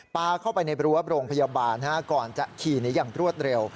ปลาเข้าไปในรั้วโรงพยาบาลก่อนจะขี่หนีอย่างรวดเร็ว